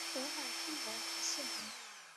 勃海郡南皮县人。